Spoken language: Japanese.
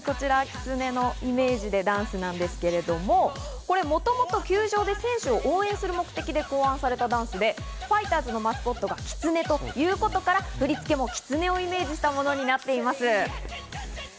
きつねのイメージでダンスなんですけれども、もともと球場で選手を応援する目的で考案されたダンスで、ファイターズのマスコットがきつねということから振り付けのきつねをイメージしたものになっています。